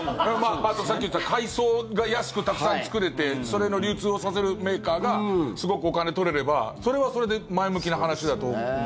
あと、さっき言った海藻が安くたくさん作れてそれの流通をさせるメーカーがすごくお金を取れればそれはそれで前向きな話だと思う。